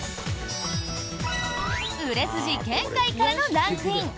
売れ筋圏外からのランクイン！